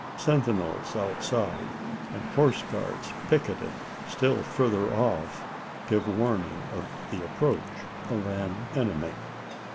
Sentinels outside, and horse guards picketed still further off, give warning of the approach of an enemy.